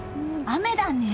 雨だね。